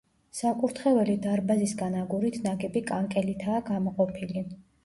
საკურთხეველი დარბაზისგან აგურით ნაგები კანკელითაა გამოყოფილი.